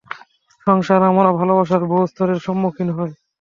সংসারে আমরা ভালবাসার বহু স্তরের সম্মুখীন হই।